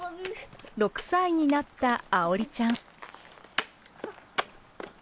６歳になった愛織ちゃん。